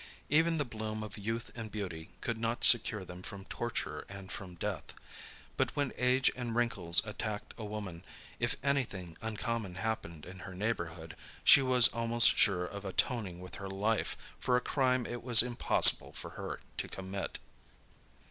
Even the bloom of youth and beauty could not secure them from torture and from death. But when age and wrinkles attacked a woman, if any thing uncommon happened in her neighborhood, she was almost sure of atoning with her life for a crime it was impossible for her to commit.